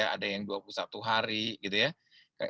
ada yang dua puluh satu hari gitu ya